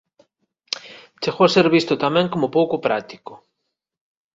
Chegou a ser visto tamén como pouco práctico.